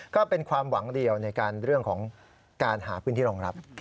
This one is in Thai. ก็เป็นความหวังเดียวในการเรื่องของการหาพื้นที่รองรับ